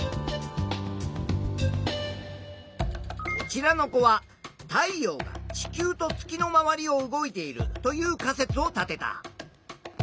こちらの子は太陽が地球と月の周りを動いているという仮説を立てた。